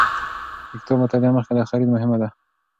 د کتاب مطالعه مخکې له خرید مهمه ده.